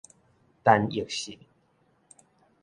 陳奕迅